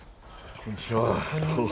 こんにちは。